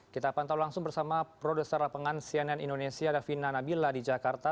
kita pantau langsung bersama produser lapangan cnn indonesia davina nabila di jakarta